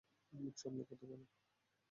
মুখ সামলে কথা বল!